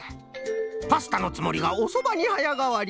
パスタのつもりがおそばにはやがわり。